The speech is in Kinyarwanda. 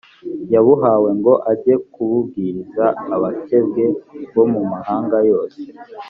yabuhawe ngo ajye kububwiriza abakebwe bo mu mahanga yose